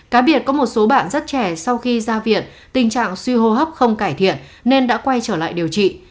cá biệt có một số bạn rất trẻ sau khi ra viện tình trạng suy hô hấp không cải thiện nên đã quay trở lại điều trị